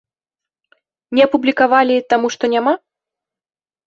Не апублікавалі, таму што няма?